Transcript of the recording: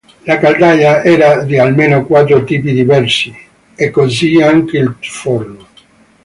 La caldaia era di almeno quattro tipi diversi e così anche il forno.